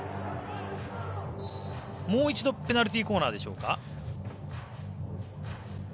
もう一度ペナルティーコーナーですか。